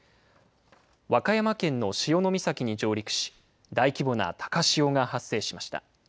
和歌山県の潮岬に上陸し、大規模な高潮が発生しました。